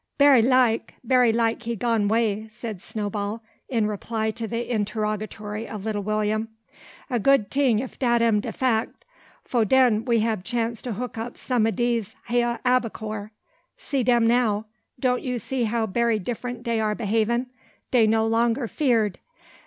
"Berry like, berry like he gone way," said Snowball, in reply to the interrogatory of little William. "A good ting if dat am de fack; fo' den we hab chance to hook up some o' dese hya abbacore. See dem now! Doan' you see how berry different dey are behavin'. Dey no longer 'feerd.